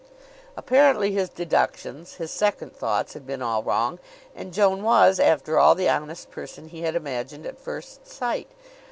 Apparently his deductions, his second thoughts, had been all wrong, and Joan was, after all, the honest person he had imagined at first sight.